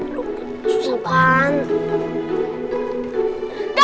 lu susah kan